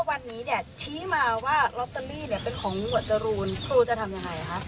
วันนี้เนี้ยชี้มาว่าเนี้ยเป็นของงวลจรูนครูจะทำยังไง